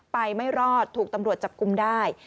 ไม่รอดถูกตำรวจจับกลุ่มได้